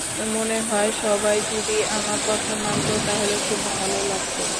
মনে হয়, সবাই যদি আমার কথা মানত, তাহলে খুব ভালো লাগত।